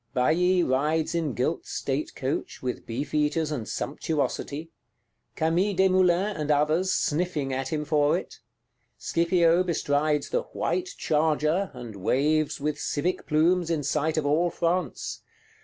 Bailly rides in gilt state coach, with beefeaters and sumptuosity; Camille Desmoulins, and others, sniffing at him for it: Scipio bestrides the "white charger," and waves with civic plumes in sight of all France.